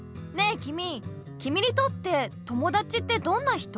きみきみにとって友だちってどんな人？